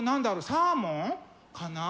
サーモンかな？